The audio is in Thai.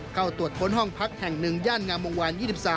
เข้าตรวจพ้นห้องพักแห่งหนึ่งย่านงามวัน๒๓